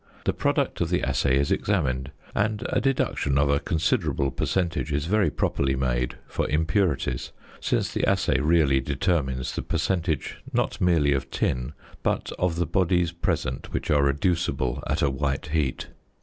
The product of the assay is examined, and a deduction of a considerable percentage is very properly made for impurities, since the assay really determines the percentage, not merely of tin, but of the bodies present which are reducible at a white heat.